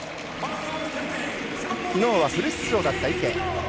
きのうはフル出場だった池。